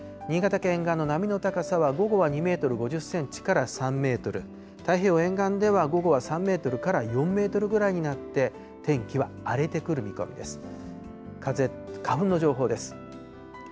新潟県側の波の高さは午後は２メートル５０センチから３メートル、太平洋沿岸では午後は３メートルから４メートルぐらいになって、天気は荒れてくる見込みです。